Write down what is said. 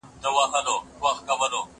ده چي ول پيسې به بالا ډېري وي باره لږ وې